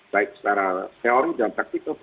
baik secara teori dan taktikal